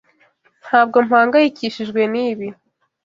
Ntabwo mpangayikishijwe nibi.